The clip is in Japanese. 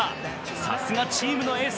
さすがチームのエース。